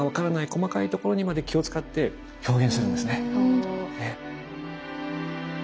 細かいところにまで気を遣って表現するんですね。